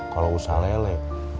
kalau usah lele